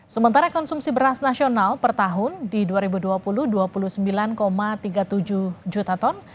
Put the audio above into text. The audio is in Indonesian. sementara konsumsi beras nasional per tahun di dua ribu dua puluh dua puluh sembilan tiga puluh tujuh juta ton